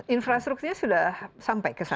infrastrukturnya sudah sampai ke sana